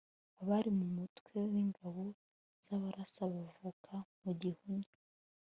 Abari mu mutwe w ingabo z Abarasa bavuka mu Gihunya